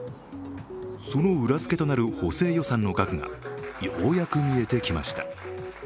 その裏付けとなる補正予算の額がようやく見えてきました。